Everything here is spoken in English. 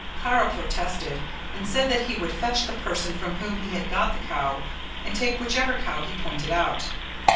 Kara protested and said that he would fetch the person from whom he had got the cow and take whichever cow he pointed out.